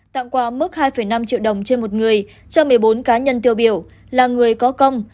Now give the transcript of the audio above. tặng quà mức hai năm triệu đồng trên một người cho một mươi bốn cá nhân tiêu biểu là người có công